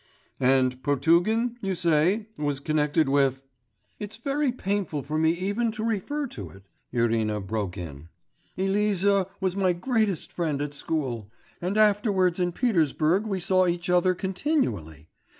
'And Potugin, you say, was connected with ' 'It's very painful for me even to refer to it,' Irina broke in. 'Eliza was my greatest friend at school, and afterwards in Petersburg we saw each other continually.